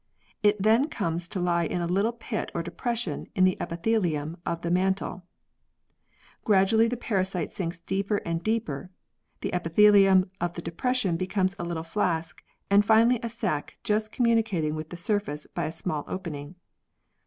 It then comes to lie in a little pit or depression in the epithelium of the mantle (diagram, fig. 9 a). Gradually the parasite sinks deeper and deeper (fig. 9 b and c), the epithelium of the depression becomes a little flask and finally a sac just com municating with the surface by a small opening.